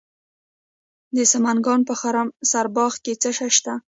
د سمنګان په خرم سارباغ کې څه شی شته؟